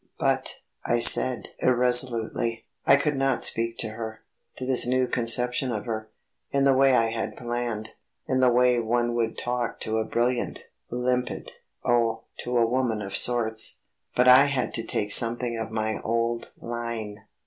"But," I said, irresolutely. I could not speak to her; to this new conception of her, in the way I had planned; in the way one would talk to a brilliant, limpid oh, to a woman of sorts. But I had to take something of my old line.